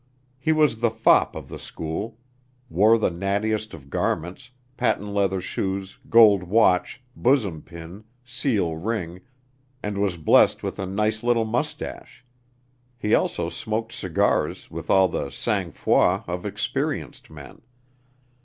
He was the fop of the school, wore the nattiest of garments, patent leather shoes, gold watch, bosom pin, seal ring, and was blessed with a nice little moustache. He also smoked cigars with all the sang froid of experienced men.